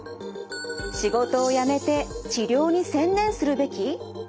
仕事を辞めて治療に専念するべき？